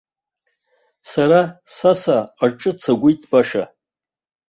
Сара саса аҿы цагәит баша!